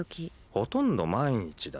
ほとんど毎日だ。